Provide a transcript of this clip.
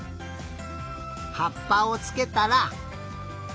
はっぱをつけたら。